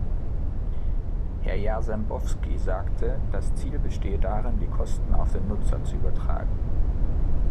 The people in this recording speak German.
Herr Jarzembowski sagte, das Ziel bestehe darin, die Kosten auf den Nutzer zu übertragen.